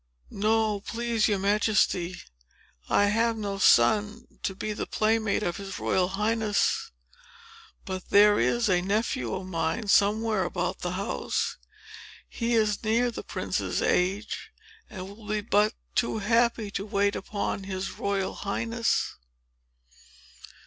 "No, please your Majesty, I have no son to be the playmate of his Royal Highness; but there is a nephew of mine, somewhere about the house. He is near the prince's age, and will be but too happy to wait upon his Royal Highness."